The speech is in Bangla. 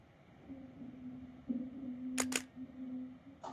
আমি কি তার কিছু বুঝি, না আমি তার কিছু করিতে পারি?